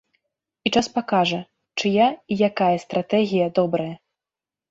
І час пакажа, чыя і якая стратэгія добрая.